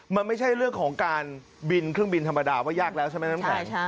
มันไม่ใช่เรื่องของการบินเครื่องบินธรรมดาว่ายากแล้วใช่ไหมน้ำแข็ง